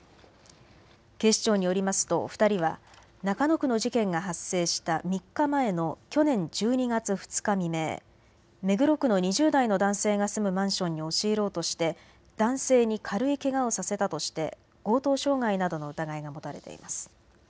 警視庁によりますと２人は中野区の事件が発生した３日前の去年１２月２日未明、目黒区の２０代の男性が住むマンションに押し入ろうとして男性に軽いけがをさせたとして強盗傷害などの疑いが持たれています。